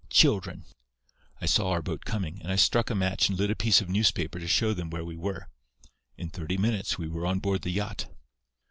Children!' "I saw our boat coming, and I struck a match and lit a piece of newspaper to show them where we were. In thirty minutes we were on board the yacht.